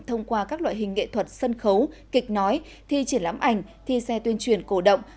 thông qua các loại hình nghệ thuật sân khấu kịch nói thi triển lãm ảnh thi xe tuyên truyền cổ động